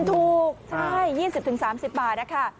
ถูกใช่๒๐๓๐บาทนะคะ